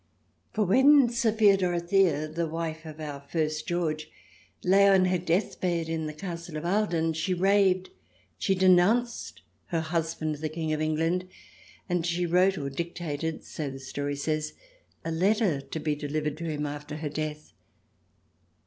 For when Sophia Dorothea, the wife of our first George, lay on her deathbed in the castle of Ahlden, she raved, she denounced her husband, the King of England, and she wrote or dictated, so the story says, a letter to be delivered to him, after her death.